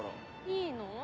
いいの？